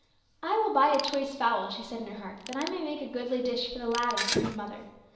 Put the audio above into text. " I will buy a choice fowl," she said in her heart, "that I may make a goodly dish for the lad and for his mother.